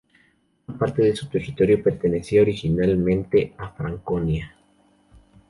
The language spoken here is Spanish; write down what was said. Una parte de su territorio pertenecía originalmente a Franconia.